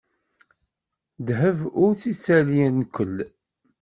Ddheb ur t-ittali nnkel.